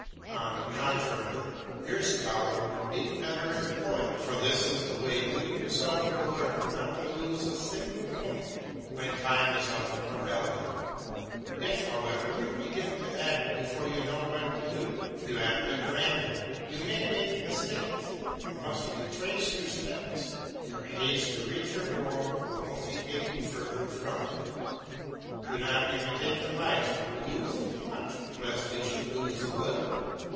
On the contrary, your scholar will be the better employed, for this is the way you yourself will learn not to lose a single moment when time is of more value. If, however, you begin to act before you know what to do, you act at random; you may make mistakes, and must retrace your steps; your haste to reach your goal will only take you further from it. Do not imitate the miser who loses much lest he should lose a little.